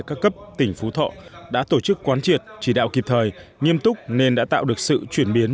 các cấp tỉnh phú thọ đã tổ chức quán triệt chỉ đạo kịp thời nghiêm túc nên đã tạo được sự chuyển biến